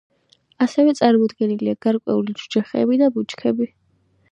ასევე წარმოდგენილია გარკვეული ჯუჯა ხეები და ბუჩქები.